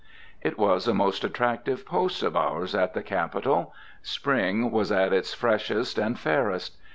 It was a most attractive post of ours at the Capitol. Spring was at its freshest and fairest.